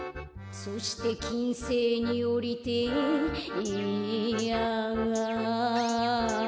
「そしてきんせいにおりてえええんやあ」